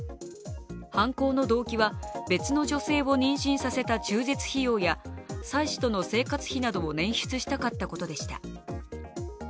犯行の動機は別の女性を妊娠させた中絶費用や妻子との生活費を捻出したかったことでした。